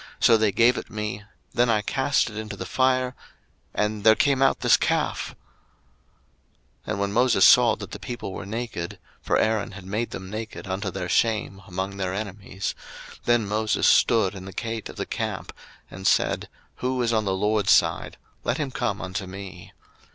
So they gave it me: then I cast it into the fire, and there came out this calf. 02:032:025 And when Moses saw that the people were naked; (for Aaron had made them naked unto their shame among their enemies:) 02:032:026 Then Moses stood in the gate of the camp, and said, Who is on the LORD's side? let him come unto me.